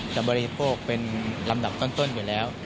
บริโภคเป็นลำดับต้นอยู่แล้ว